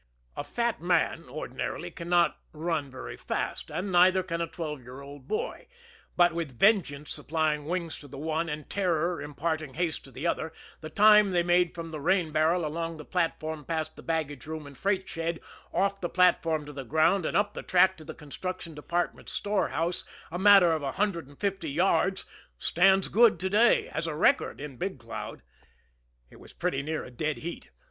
A fat man, ordinarily, cannot run very fast, and neither can a twelve year old boy; but, with vengeance supplying wings to the one, and terror imparting haste to the other, the time they made from the rain barrel along the platform past the baggage room and freight shed, off the platform to the ground, and up the track to the construction department's storehouse, a matter of a hundred and fifty yards, stands good to day as a record in Big Cloud. It was pretty near a dead heat.